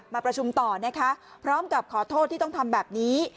มาประชุมต่อนะคะพร้อมกับขอโทษที่ต้องทำแบบนี้